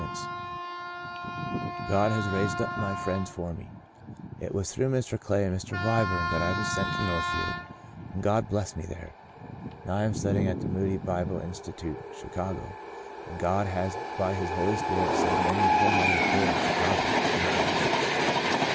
130 " Out of Nazareth " God has raised up many friends for me. It was through Mr. Clay and Mr. Wyburn that I was sent to Northfield, and God blessed me there. Now I am studying at the Moody Bible Institute, Chicago, and God has by His Holy Spirit saved many a poor mother's boy in Chicago through my efforts.